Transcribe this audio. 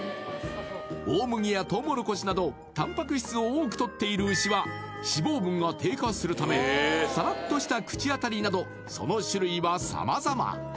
大麦やとうもろこしなどたんぱく質を多くとっている牛は脂肪分が低下するためさらっとした口当たりなどその種類はさまざま。